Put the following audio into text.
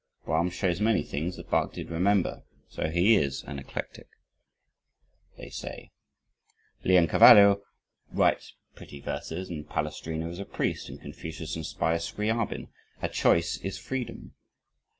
Brahms shows many things that Bach did remember, so he is an eclectic, they say. Leoncavallo writes pretty verses and Palestrina is a priest, and Confucius inspires Scriabin. A choice is freedom.